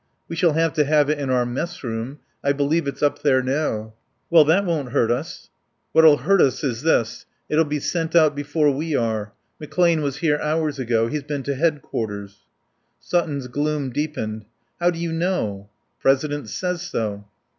"We shall have to have it in our messroom. I believe it's up there now." "Well, that won't hurt us." "What'll hurt us is this. It'll be sent out before we are. McClane was here hours ago. He's been to Head Quarters." Sutton's gloom deepened. "How do you know?" "President says so."